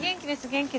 元気。